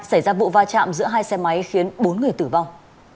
xảy ra vụ va chạm giữa hai xe máy khiến bốn người tử vong